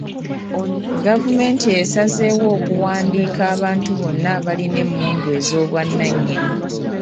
Gavumenti esazeewo okuwandiika abantu bonna abalina emmundu ez'obwannannyini.